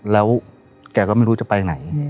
แล้วแกก็ไม่รู้จะไปไหน